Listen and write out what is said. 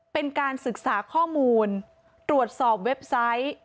เป็นการศึกษาข้อมูลตรวจสอบเว็บไซต์